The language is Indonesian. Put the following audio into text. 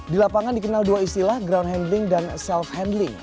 di lapangan dikenal dua istilah ground handling dan self handling